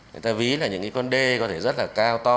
người ta ví là những cái con đê có thể rất là cao to